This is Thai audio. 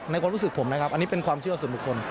ความรู้สึกผมนะครับอันนี้เป็นความเชื่อส่วนบุคคล